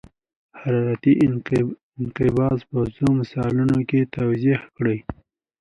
حرارتي انقباض په څو مثالونو کې توضیح کړئ.